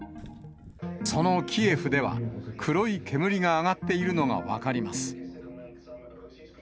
そのキエフでは、黒い煙が上がっているのが分かります。